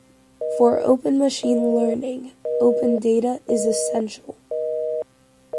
For Open Machine Learning, open data is essential